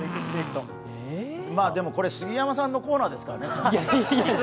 でも、これ杉山さんのコーナーですからね。